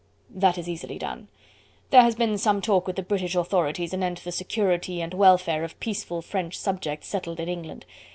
"That is easily done. There has been some talk with the British authorities anent the security and welfare of peaceful French subjects settled in England.